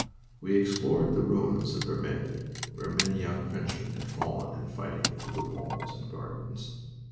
We explored the ruins of Vermelles, where many young Frenchmen had fallen in fighting through the walls and gardens.